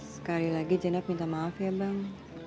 sekali lagi jener minta maaf ya bang